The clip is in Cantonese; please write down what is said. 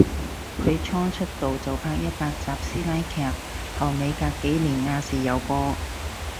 佢初出道就拍一百集師奶劇，後尾隔幾年亞視有播